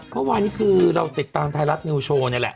เมื่อวานนี้คือเษ็กตามไทรัสเนวโชว์นี่แหละ